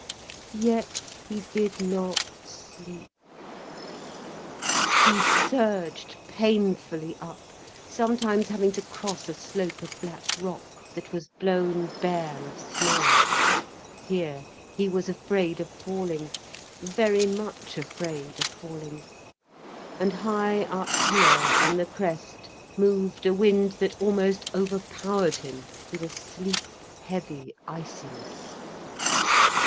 Yet he did not sleep. He surged painfully up, sometimes having to cross a slope of black rock, that was blown bare of snow. Here he was afraid of falling, very much afraid of falling. And high up here, on the crest, moved a wind that almost overpowered him with a sleep heavy iciness.